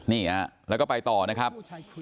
นี่ฮะแล้วก็ไปต่อนะครับ